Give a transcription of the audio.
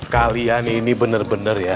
kalian ini bener bener ya